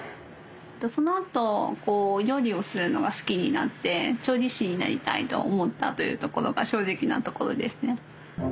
そのあと料理をするのが好きになって調理師になりたいと思ったというところが正直なところですね。